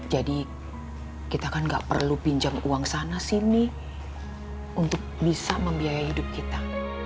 jadi kita kan gak perlu pinjam uang sana sini untuk bisa membiaya hidup kita